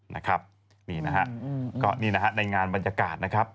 นี่นะฮะในงานบรรยากาศนะครับ